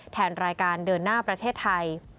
แทนรายการเดินหน้าประเทศไทย